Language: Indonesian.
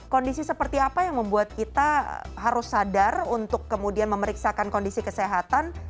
kondisi seperti apa yang membuat kita harus sadar untuk kemudian memeriksakan kondisi kesehatan